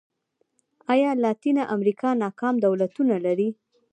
ایا لاتینه امریکا ناکام دولتونه نه لري.